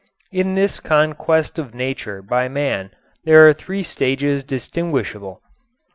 In this conquest of nature by man there are three stages distinguishable: 1.